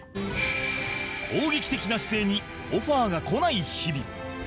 攻撃的な姿勢にオファーがこない日々